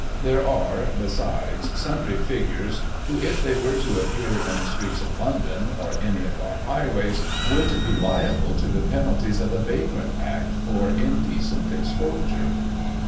There are, besides, sundry figures, who, if they were to appear in the streets of London, or any of our highways, would be liable to the penalties of the Vagrant Act for indecent ex posure.